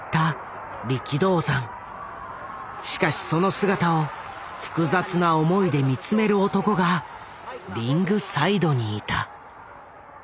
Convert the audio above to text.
しかしその姿を複雑な思いで見つめる男がリングサイドにいた。